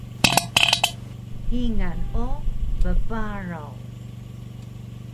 Kingal o bbaraw